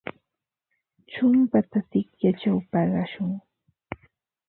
Chumpata sikyachaw paqashun.